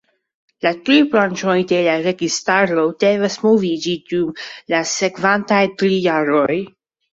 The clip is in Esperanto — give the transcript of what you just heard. La tri branĉoj de la registaro devas moviĝi dum la sekvantaj tri jaroj.